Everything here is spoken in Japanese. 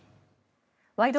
「ワイド！